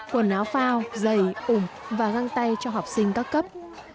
quần áo phao giày ủng và găng tay cho học sinh các cấp